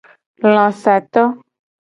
Lasato.